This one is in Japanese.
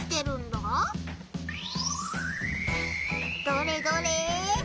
どれどれ？